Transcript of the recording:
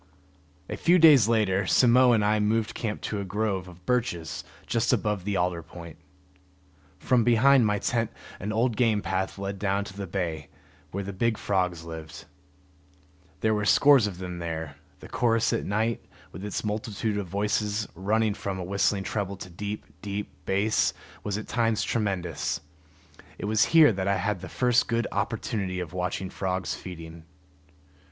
A few days later Simmo and I moved camp to a grove of birches just above the alder point. From behind my tent an old game path led down to the bay where the big frogs lived. There were scores of them there; the chorus at night, with its multitude of voices running from a whistling treble to deep, deep bass, was at times tremendous. It was here that I had the first good opportunity of watching frogs feeding.